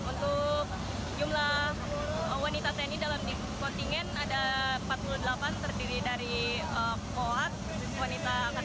untuk jumlah wanita tni dalam kontingen ada empat puluh delapan terdiri dari kohak